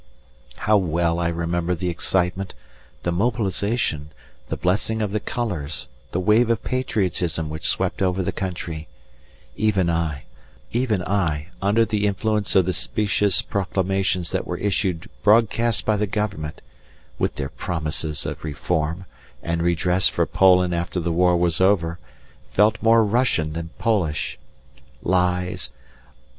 How well I remember the excitement, the mobilization, the blessing of the colours, the wave of patriotism which swept over the country; even I, under the influence of the specious proclamations that were issued broadcast by the Government, with their promises of reform, and redress for Poland after the war was over, felt more Russian than Polish. Lies!